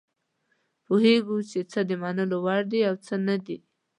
پوهیږو چې څه د منلو وړ دي او څه نه دي.